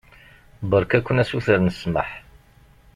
Beṛka-ken asuter n ssmaḥ.